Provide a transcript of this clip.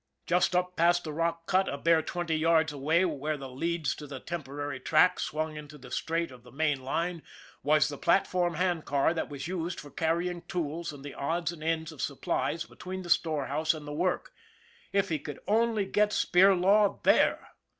Just up past the rock cut, a bare twenty yards away where the leads to the temporary track swung into the straight of the main line, was the platform handcar they had used for carrying tools and the odds and ends of supplies between the storehouse and the work if he could only get Spirlaw there